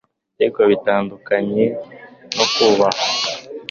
Ariko bitandukanye no kubaha;